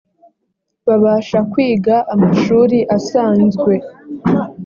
babasha kwiga amashuri azanzwe